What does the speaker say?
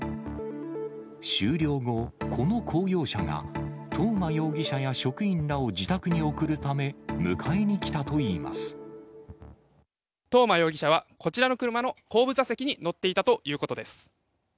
終了後、この公用車が、東間容疑者や職員らを自宅に送るため、迎えに来た東間容疑者は、こちらの車の後部座席に乗っていたということです。